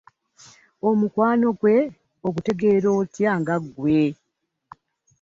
Omukwano gwe ogutegeera otya nga gwe.